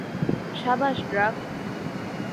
সাবাস, ড্রাক!